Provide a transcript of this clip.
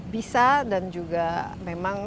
bisa dan juga memang